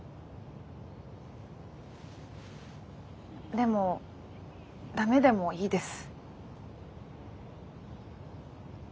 でもダメでもいいです。